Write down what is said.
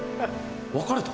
別れた？